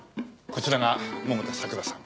こちらが百田桜さん